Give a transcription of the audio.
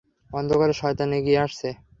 অন্ধকারের শয়তান এগিয়ে আসছে!